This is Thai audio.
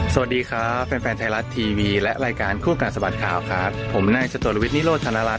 อย่ามองศพตาข้างตั้งซีวะข้าวใจหมายว่า